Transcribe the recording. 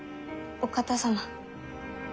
お方様。